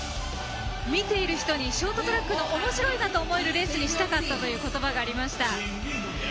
見ている人にショートトラックをおもしろいなと思えるレースにしたかったということばがありました。